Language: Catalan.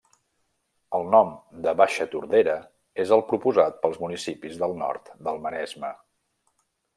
El nom de Baixa Tordera és el proposat pels municipis del nord del Maresme.